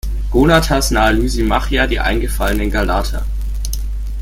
Gonatas nahe Lysimachia die eingefallenen Galater.